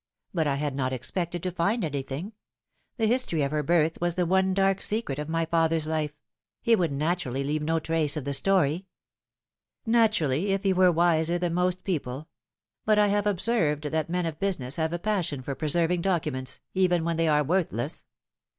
But I had not expected to find anything. The history of her birth was the one dark secret of my father's life he would naturally leave no trace of the story." " Naturally, if he were wiser than most people. But I have observed that men of business have a passion for preserving documents, even when they are worthless.